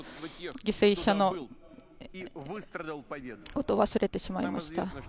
犠牲者のことを忘れてしまいました。